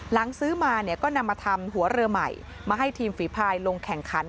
หลังซื้อมาเนี่ยก็นำมาทำหัวเรือใหม่มาให้ทีมฝีภายลงแข่งขัน